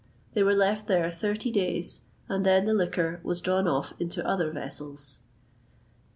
They were left there thirty days, and then the liquor was drawn off into other vessels.